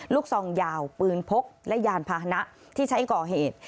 ซองยาวปืนพกและยานพาหนะที่ใช้ก่อเหตุ